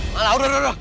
malah udah udah udah